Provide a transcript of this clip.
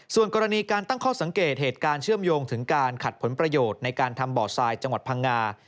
ส่วนกรณีการตั้งข้อสังเกตเหตุการณ์เชื่อมโยงถึงการขัดผลประโยชน์ในการทำบ่อทรายจังหวัดพังงา